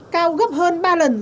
cao gấp hơn ba lần